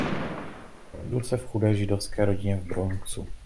Narodil se v chudé židovské rodině v Bronxu.